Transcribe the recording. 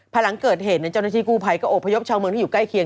หลังเกิดเหตุเจ้าหน้าที่กู้ภัยก็อบพยพชาวเมืองที่อยู่ใกล้เคียง